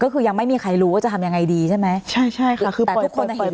ก็คือยังไม่มีใครรู้ว่าจะทำยังไงดีใช่ไหมใช่ใช่ค่ะคือแต่ทุกคนอ่ะเห็น